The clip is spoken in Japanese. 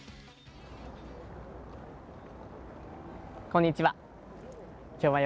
こんにちは。